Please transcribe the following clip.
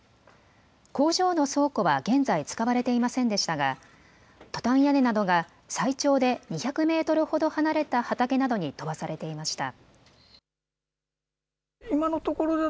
工場の倉庫は現在、使われていませんでしたがトタン屋根などが最長で２００メートルほど離れた畑などに飛ばされていました。